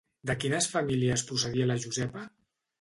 De quines famílies procedia la Josepa?